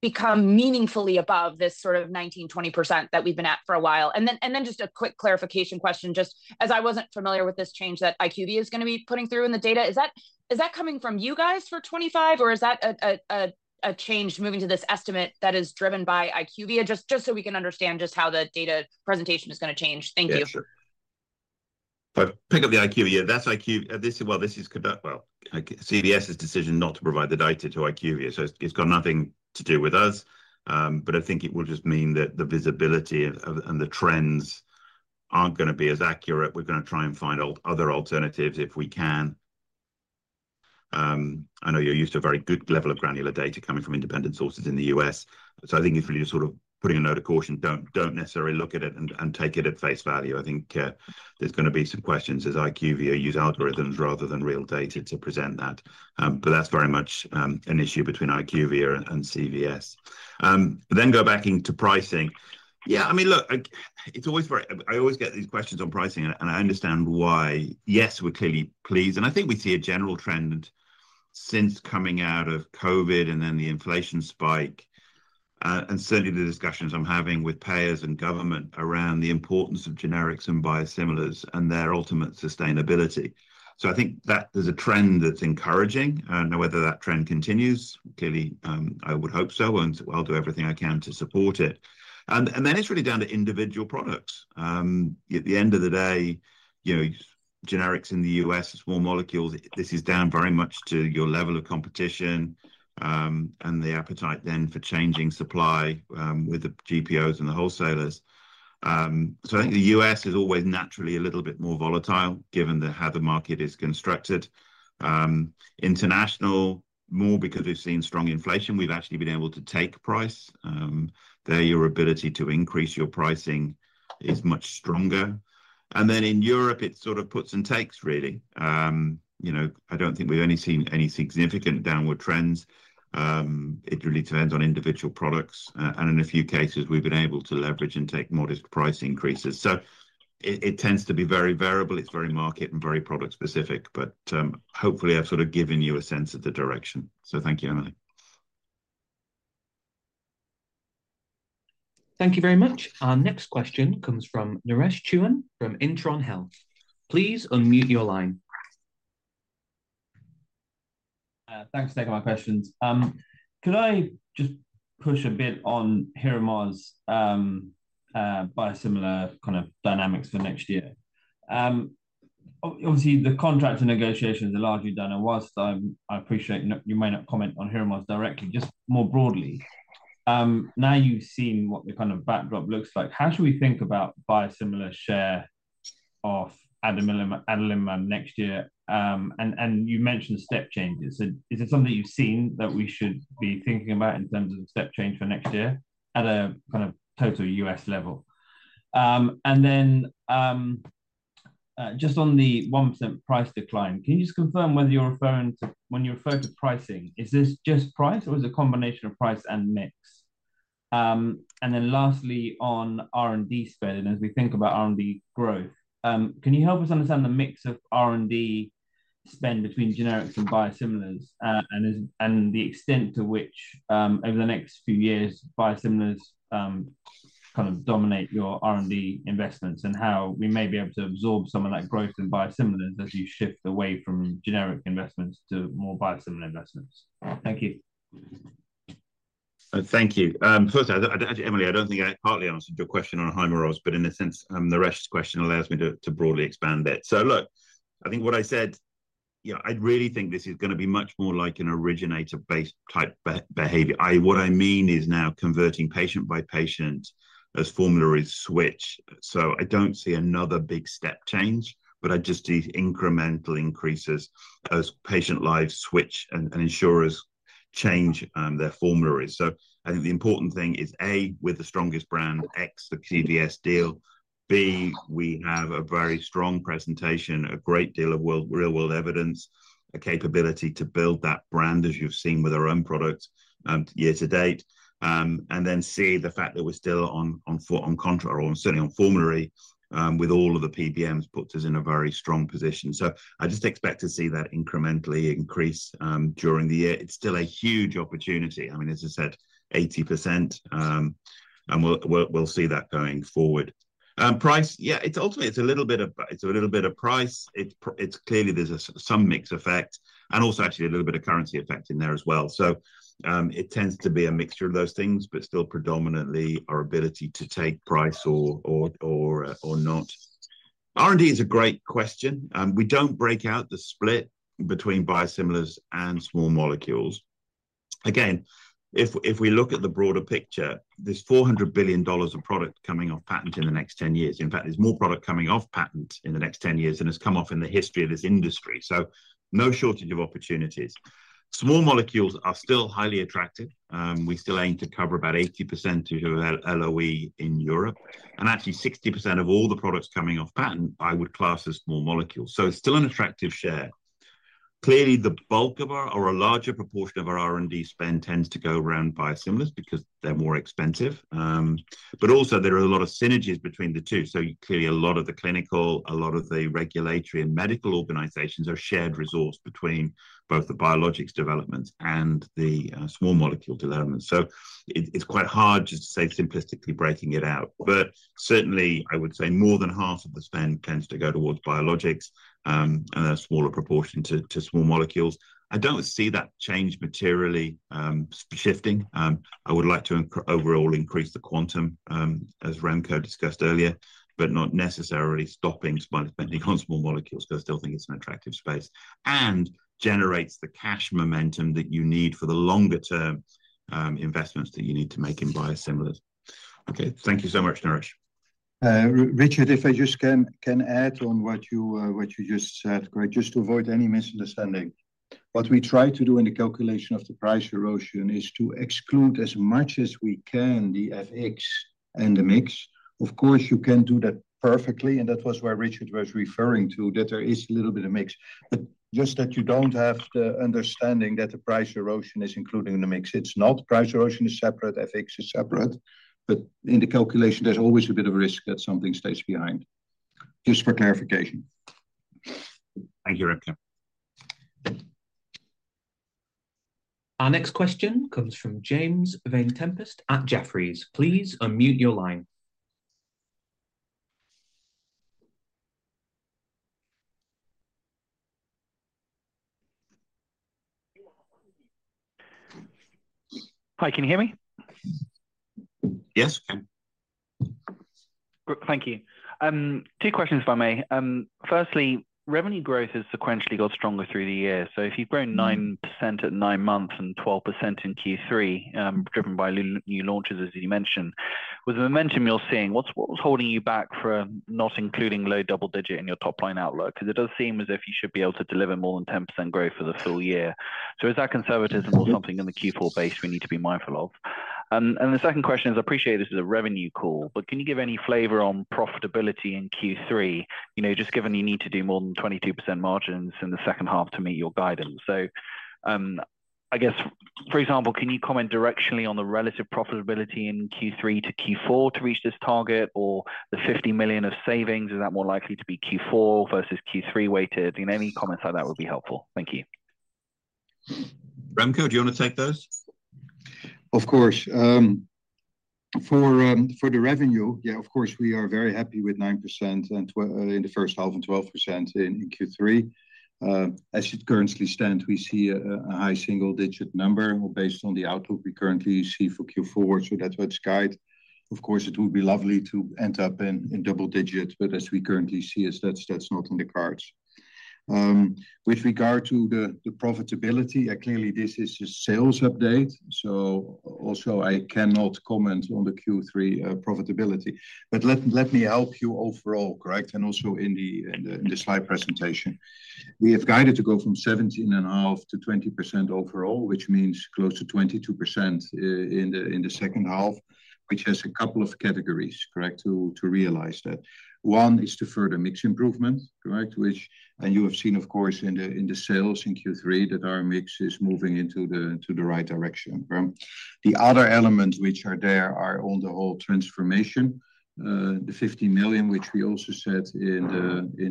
become meaningfully above this sort of 19%-20% that we've been at for a while? Then just a quick clarification question, just as I wasn't familiar with this change that IQVIA is going to be putting through in the data, is that coming from you guys for 25, or is that a change moving to this estimate that is driven by IQVIA, just so we can understand just how the data presentation is going to change? Thank you. Pick up the IQVIA. That's IQVIA. This is CVS's decision not to provide the data to IQVIA. It's got nothing to do with us. I think it will just mean that the visibility and the trends aren't going to be as accurate. We're going to try and find other alternatives if we can. I know you're used to a very good level of granular data coming from independent sources in the U.S. I think it's really just sort of putting a note of caution. Don't necessarily look at it and take it at face value. I think there's going to be some questions as IQVIA use algorithms rather than real data to present that. That's very much an issue between IQVIA and CVS. Then go back into pricing. Yeah, I mean, look, it's always very. I always get these questions on pricing, and I understand why. Yes, we're clearly pleased, and I think we see a general trend since coming out of COVID and then the inflation spike, and certainly the discussions I'm having with payers and government around the importance of generics and biosimilars and their ultimate sustainability. So I think that there's a trend that's encouraging. Now, whether that trend continues, clearly, I would hope so, and I'll do everything I can to support it. And then it's really down to individual products. At the end of the day, generics in the U.S., small molecules, this is down very much to your level of competition and the appetite then for changing supply with the GPOs and the wholesalers. So I think the U.S. is always naturally a little bit more volatile given how the market is constructed. International, more because we've seen strong inflation, we've actually been able to take price. There, your ability to increase your pricing is much stronger. And then in Europe, it's sort of puts and takes, really. I don't think we've only seen any significant downward trends. It really depends on individual products. And in a few cases, we've been able to leverage and take modest price increases. So it tends to be very variable. It's very market and very product specific. But hopefully, I've sort of given you a sense of the direction. So thank you, Emily. Thank you very much. Our next question comes from Naresh Chouhan from Intron Health. Please unmute your line. Thanks for taking my questions. Can I just push a bit on Hyrimoz's biosimilar kind of dynamics for next year? Obviously, the contract and negotiations are largely done in Walgreens. I appreciate you may not comment on Hyrimoz's directly, just more broadly. Now you've seen what the kind of backdrop looks like. How should we think about biosimilar share of Adalimumab next year? And you mentioned step changes. Is it something you've seen that we should be thinking about in terms of step change for next year at a kind of total US level? And then just on the 1% price decline, can you just confirm whether you're referring to when you refer to pricing, is this just price or is it a combination of price and mix? And then lastly, on R&D spend, and as we think about R&D growth, can you help us understand the mix of R&D spend between generics and biosimilars and the extent to which over the next few years, biosimilars kind of dominate your R&D investments and how we may be able to absorb some of that growth in biosimilars as you shift away from generic investments to more biosimilar investments? Thank you. Thank you. First, Emily, I don't think I partly answered your question on Hyrimoz, but in a sense, Naresh's question allows me to broadly expand it. So look, I think what I said, I really think this is going to be much more like an originator-based type behavior. What I mean is now converting patient by patient as formulary switch. So I don't see another big step change, but I just see incremental increases as patient lines switch and insurers change their formularies. So I think the important thing is, A, with the strongest brand, ex the CVS deal. B, we have a very strong presentation, a great deal of real-world evidence, a capability to build that brand as you've seen with our own products year to date. And then C, the fact that we're still on contract or certainly on formulary with all of the PBMs puts us in a very strong position. So I just expect to see that incrementally increase during the year. It's still a huge opportunity. I mean, as I said, 80%, and we'll see that going forward. Price, yeah, ultimately, it's a little bit of price. It's clearly there's some mixed effect and also actually a little bit of currency effect in there as well. So it tends to be a mixture of those things, but still predominantly our ability to take price or not. R&D is a great question. We don't break out the split between biosimilars and small molecules. Again, if we look at the broader picture, there's $400 billion of product coming off patent in the next 10 years. In fact, there's more product coming off patent in the next 10 years than has come off in the history of this industry. So no shortage of opportunities. Small molecules are still highly attractive. We still aim to cover about 80% of LOE in Europe. And actually, 60% of all the products coming off patent, I would class as small molecules. So it's still an attractive share. Clearly, the bulk of our or a larger proportion of our R&D spend tends to go around biosimilars because they're more expensive. But also, there are a lot of synergies between the two. So clearly, a lot of the clinical, a lot of the regulatory and medical organizations are shared resource between both the biologics development and the small molecule development. So it's quite hard just to say simplistically breaking it out. But certainly, I would say more than half of the spend tends to go towards biologics and a smaller proportion to small molecules. I don't see that change materially shifting. I would like to overall increase the quantum as Remco discussed earlier, but not necessarily stopping spending on small molecules because I still think it's an attractive space and generates the cash momentum that you need for the longer-term investments that you need to make in biosimilars. Okay, thank you so much, Naresh. Richard, if I just can add on what you just said, for just to avoid any misunderstanding. What we try to do in the calculation of the price erosion is to exclude as much as we can the FX and the mix. Of course, you can do that perfectly, and that was where Richard was referring to, that there is a little bit of mix. But just that you don't have the understanding that the price erosion is included in the mix. It's not. Price erosion is separate. FX is separate. But in the calculation, there's always a bit of risk that something stays behind. Just for clarification. Thank you, Remco. Our next question comes from James Vane-Tempest at Jefferies. Please unmute your line. Hi, can you hear me? Yes, I can. Thank you. Two questions if I may. Firstly, revenue growth has sequentially got stronger through the year. So if you've grown 9% at nine months and 12% in Q3, driven by new launches, as you mentioned, with the momentum you're seeing, what's holding you back from not including low double digit in your top line outlook? Because it does seem as if you should be able to deliver more than 10% growth for the full year. So is that conservatism or something in the Q4 base we need to be mindful of? And the second question is, I appreciate this is a revenue call, but can you give any flavor on profitability in Q3, just given you need to do more than 22% margins in the second half to meet your guidance? So I guess, for example, can you comment directionally on the relative profitability in Q3 to Q4 to reach this target or the $50 million of savings? Is that more likely to be Q4 versus Q3 weighted? Any comments like that would be helpful. Thank you. Remco, do you want to take those? Of course. For the revenue, yeah, of course, we are very happy with 9% and in the first half and 12% in Q3. As it currently stands, we see a high single-digit number based on the outlook we currently see for Q4. So that's what's guided. Of course, it would be lovely to end up in double digits, but as we currently see, that's not in the cards. With regard to the profitability, clearly, this is a sales update. So also, I cannot comment on the Q3 profitability. But let me help you overall, correct? And also in the slide presentation, we have guided to go from 17.5%-20% overall, which means close to 22% in the second half, which has a couple of categories to realize that. One is to further mix improvement, and you have seen, of course, in the sales in Q3 that our mix is moving into the right direction. The other elements which are there are on the whole transformation, the 50 million, which we also said in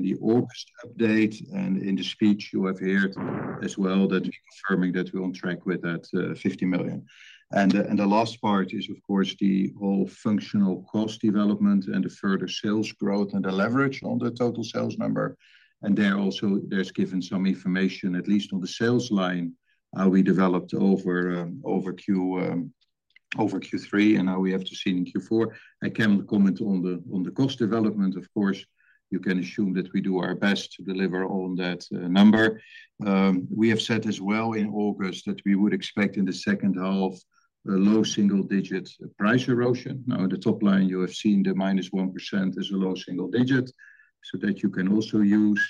the August update and in the speech you have heard as well, that we're confirming that we're on track with that 50 million, and the last part is, of course, the whole functional cost development and the further sales growth and the leverage on the total sales number, and there also, there's given some information, at least on the sales line, how we developed over Q3 and how we have to see in Q4. I cannot comment on the cost development. Of course, you can assume that we do our best to deliver on that number. We have said as well in August that we would expect in the second half a low single-digit price erosion. Now, in the top line, you have seen the minus 1% is a low single digit so that you can also use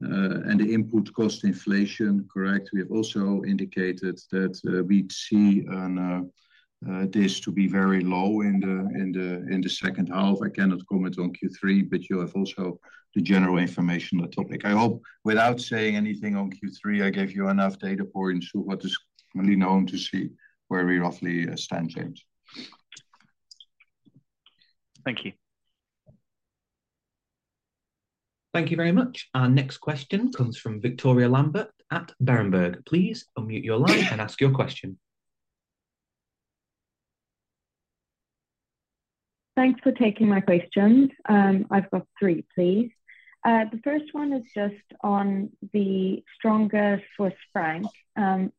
and the input cost inflation, correct? We have also indicated that we'd see this to be very low in the second half. I cannot comment on Q3, but you have also the general information on the topic. I hope without saying anything on Q3, I gave you enough data points to what is really known to see where we roughly stand, James. Thank you. Thank you very much. Our next question comes from Victoria Lambert at Berenberg. Please unmute your line and ask your question. Thanks for taking my questions. I've got three, please. The first one is just on the stronger Swiss franc,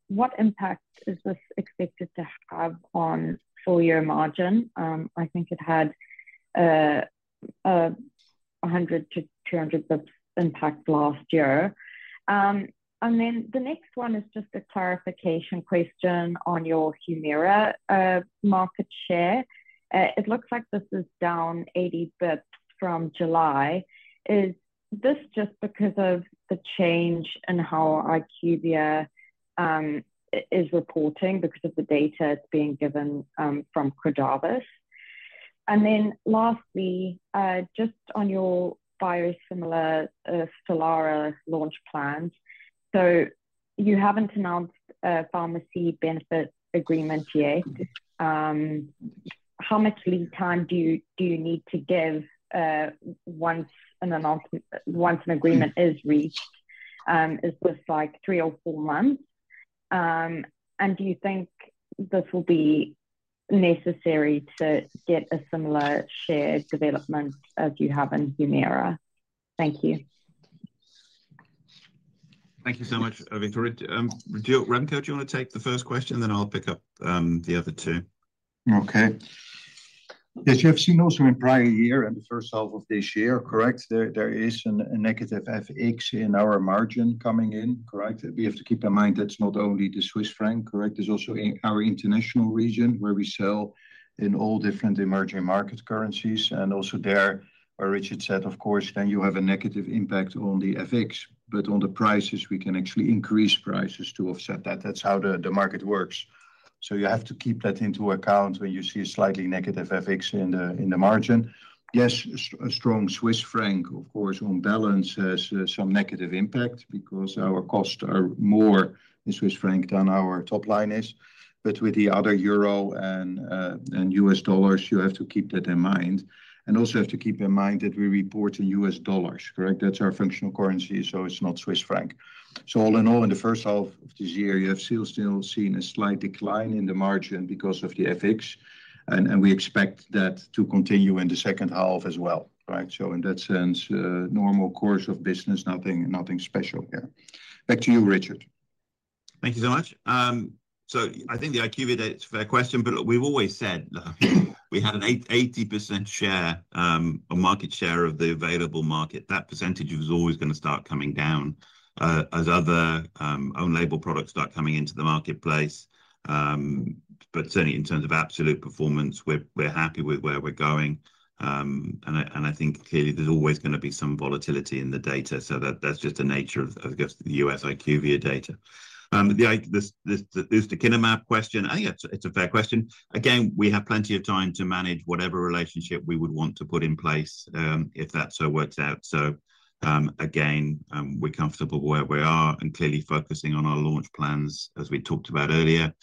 what impact is this expected to have on full-year margin? I think it had 100-200 basis points impact last year. And then the next one is just a clarification question on your Humira market share. It looks like this is down 80 basis points from July. Is this just because of the change in how IQVIA is reporting because of the data it's being given from Cordavis? And then lastly, just on your biosimilar Stelara launch plans, so you haven't announced a pharmacy benefit agreement yet. How much lead time do you need to give once an agreement is reached? Is this like three or four months? And do you think this will be necessary to get a similar share development as you have in Humira? Thank you. Thank you so much, Victoria. Remco, do you want to take the first question, then I'll pick up the other two? Okay. Yes, you have seen also in prior year and the first half of this year, correct? There is a negative FX in our margin coming in, correct? We have to keep in mind that's not only the Swiss franc, correct? There's also our international region where we sell in all different emerging market currencies. And also there, where Richard said, of course, then you have a negative impact on the FX. But on the prices, we can actually increase prices to offset that. That's how the market works. So you have to keep that into account when you see a slightly negative FX in the margin. Yes, a strong Swiss franc, of course, on balance has some negative impact because our costs are more in Swiss franc than our top line is. But with the other euro and US dollars, you have to keep that in mind. And also have to keep in mind that we report in U.S. dollars, correct? That's our functional currency, so it's not Swiss franc. So all in all, in the first half of this year, you have still seen a slight decline in the margin because of the FX. And we expect that to continue in the second half as well, right? So in that sense, normal course of business, nothing special here. Back to you, Richard. Thank you so much. So I think the IQVIA data is a fair question, but we've always said we had an 80% share or market share of the available market. That percentage was always going to start coming down as other own-label products start coming into the marketplace. But certainly, in terms of absolute performance, we're happy with where we're going. And I think clearly there's always going to be some volatility in the data. So that's just the nature of the U.S. IQVIA data. The Sandoz ustekinumab question, I think it's a fair question. Again, we have plenty of time to manage whatever relationship we would want to put in place if that so works out. So again, we're comfortable where we are and clearly focusing on our launch plans as we talked about earlier.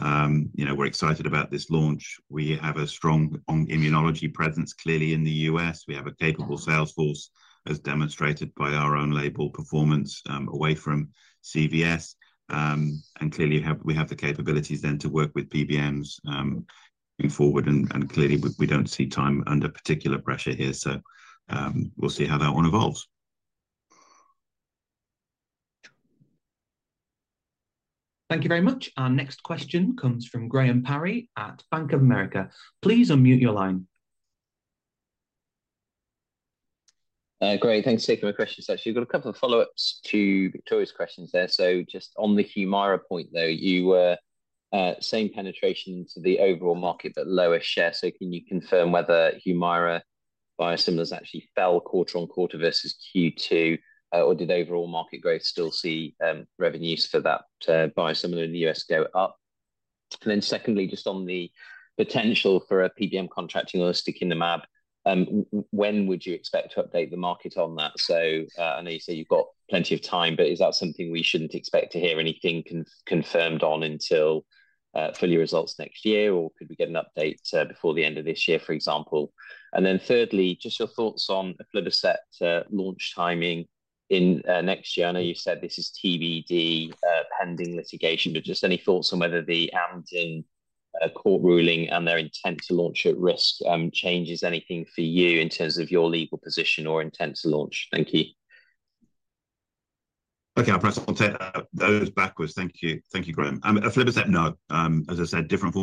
We're excited about this launch. We have a strong immunology presence clearly in the U.S. We have a capable salesforce as demonstrated by our own label performance away from CVS. And clearly, we have the capabilities then to work with PBMs moving forward. And clearly, we don't see time under particular pressure here. So we'll see how that one evolves. Thank you very much. Our next question comes from Graham Parry at Bank of America. Please unmute your line. Great. Thanks for taking my questions, actually. We've got a couple of follow-ups to Victoria's questions there. So just on the Humira point, though, you were saying penetration to the overall market, but lower share. So can you confirm whether Humira biosimilars actually fell quarter on quarter versus Q2? Or did overall market growth still see revenues for that biosimilar in the US go up? And then secondly, just on the potential for a PBM contracting or a stick-in-the-mud, when would you expect to update the market on that? So I know you say you've got plenty of time, but is that something we shouldn't expect to hear anything confirmed on until for your results next year? Or could we get an update before the end of this year, for example? And then thirdly, just your thoughts on Aflibercept launch timing in next year. I know you said this is TBD pending litigation, but just any thoughts on whether the Amgen court ruling and their intent to launch at risk changes anything for you in terms of your legal position or intent to launch? Thank you. Okay, I'll press on those backwards. Thank you, Graham. Aflibercept, no. As I said, different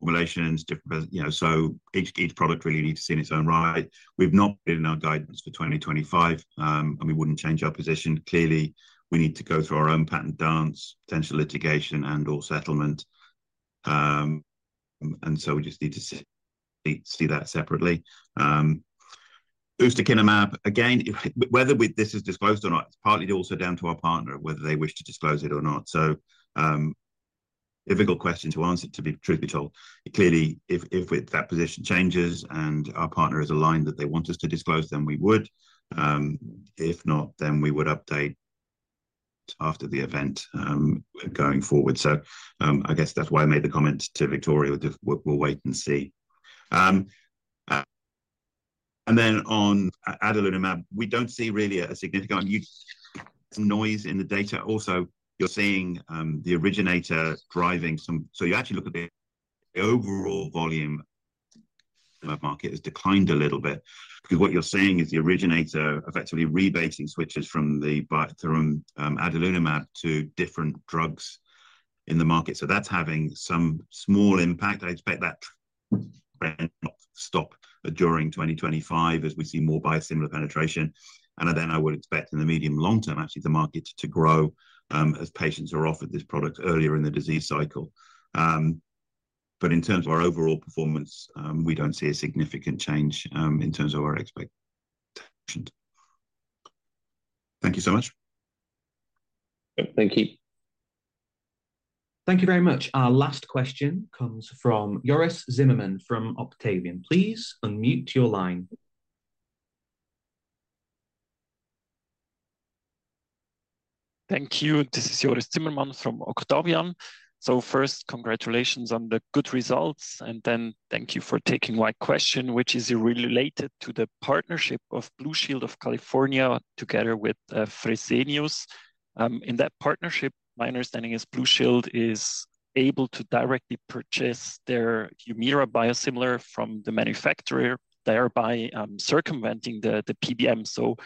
formulations, different. So each product really needs to see in its own right. We've not been in our guidance for 2025, and we wouldn't change our position. Clearly, we need to go through our own patent dance, potential litigation, and/or settlement. And so we just need to see that separately. Ustekinumab, again, whether this is disclosed or not, it's partly also down to our partner whether they wish to disclose it or not. So difficult question to answer, truth be told. Clearly, if that position changes and our partner is aligned that they want us to disclose, then we would. If not, then we would update after the event going forward. So I guess that's why I made the comment to Victoria. We'll wait and see. And then on adalimumab, we don't see really a significant noise in the data. Also, you're seeing the originator driving. So you actually look at the overall volume market has declined a little bit because what you're seeing is the originator effectively rebating switches from the adalimumab to different drugs in the market. So that's having some small impact. I expect that trend not to stop during 2025 as we see more biosimilar penetration. And then I would expect in the medium-long term, actually, the market to grow as patients are offered this product earlier in the disease cycle. But in terms of our overall performance, we don't see a significant change in terms of our expectations. Thank you so much. Thank you. Thank you very much. Our last question comes from Jörg Zimmermann from Octavian. Please unmute your line. Thank you. This is Jörg Zimmermann from Octavian. So first, congratulations on the good results. And then thank you for taking my question, which is related to the partnership of Blue Shield of California together with Fresenius. In that partnership, my understanding is Blue Shield is able to directly purchase their Humira biosimilar from the manufacturer, thereby circumventing the PBM. So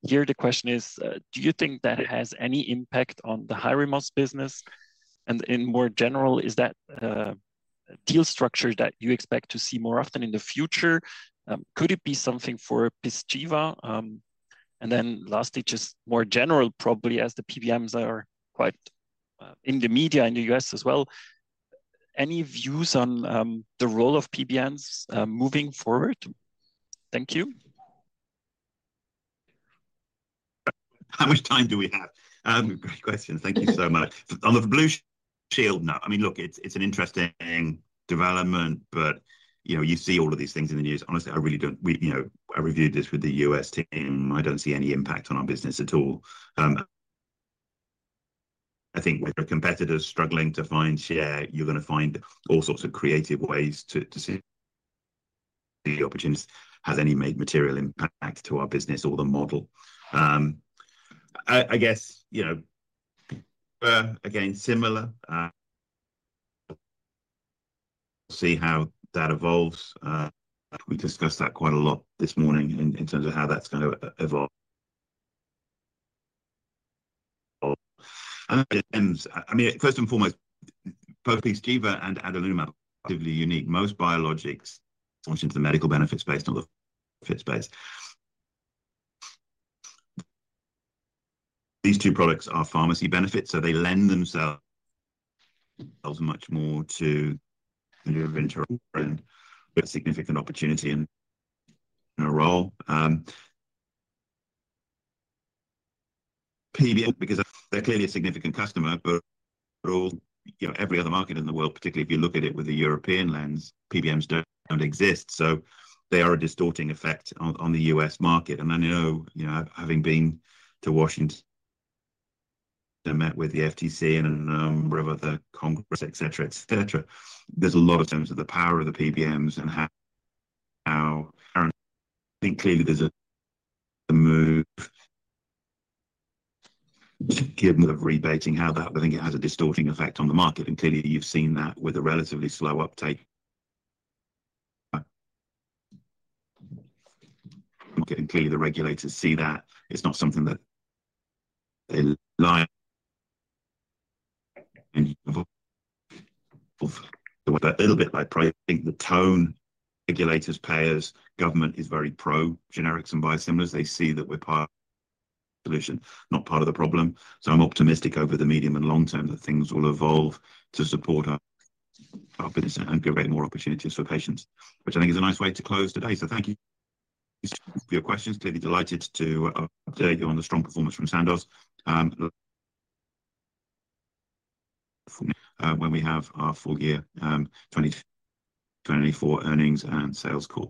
here, the question is, do you think that has any impact on the Hyrimoz business? And in more general, is that a deal structure that you expect to see more often in the future? Could it be something for Pyzchiva? And then lastly, just more general, probably as the PBMs are quite in the media in the US as well, any views on the role of PBMs moving forward? Thank you. How much time do we have? Great question. Thank you so much. On the Blue Shield, no. I mean, look, it's an interesting development, but you see all of these things in the news. Honestly, I really don't. I reviewed this with the U.S. team. I don't see any impact on our business at all. I think with our competitors struggling to find share, you're going to find all sorts of creative ways to see the opportunities has any material impact to our business or the model. I guess, again, similar. We'll see how that evolves. We discussed that quite a lot this morning in terms of how that's going to evolve. I mean, first and foremost, both Pyzchiva and adalimumab are relatively unique. Most biologics launch into the medical benefits space, not the PBM space. These two products are pharmacy benefits, so they lend themselves much more to significant opportunity and PBM role, because they're clearly a significant customer, but every other market in the world, particularly if you look at it with a European lens, PBMs don't exist, so they are a distorting effect on the U.S. market, and I know having been to Washington and met with the FTC and a number of other congressmen, etc., etc., there's a lot of talk about the power of the PBMs and how corrupt. I think clearly there's a move to rein in the rebating, how that I think it has a distorting effect on the market, and clearly, you've seen that with a relatively slow uptake, and clearly, the regulators see that. It's not something that they like to evolve a little bit by prioritizing their own. Regulators, payers, government is very pro-generics and biosimilars. They see that we're part of the solution, not part of the problem. So I'm optimistic over the medium and long term that things will evolve to support our business and create more opportunities for patients, which I think is a nice way to close today. So thank you for your questions. Clearly delighted to update you on the strong performance from Sandoz when we have our full-year 2024 earnings and sales call.